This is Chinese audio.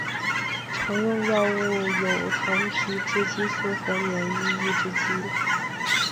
常用的药物有糖皮质激素和免疫抑制剂。